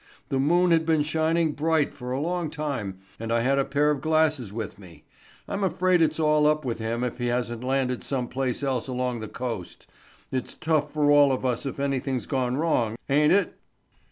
The moon has been shining bright for a long time, and I had a pair of glasses with me. I'm afraid it's all up with him if he hasn't landed some place else along the coast. It's tough for all of us if anything's gone wrong, ain't it?"